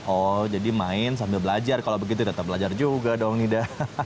oh jadi main sambil belajar kalau begitu tetap belajar juga dong nida